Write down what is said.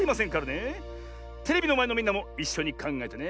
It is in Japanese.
テレビのまえのみんなもいっしょにかんがえてね。